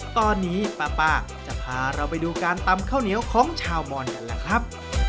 ตอนนี้ป้าจะพาเราไปดูการตำข้าวเหนียวของชาวมอนกันล่ะครับ